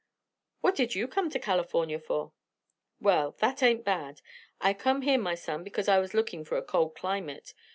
"What did you come to California for?" "Well, that ain't bad. I come here, my son, because I was lookin' for a cold climate.